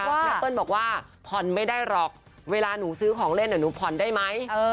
แม่เปิ้ลบอกว่าผ่อนไม่ได้หรอกเวลาหนูซื้อของเล่นหนูผ่อนได้ไหม